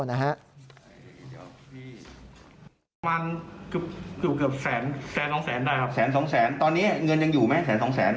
ส่วนหน้า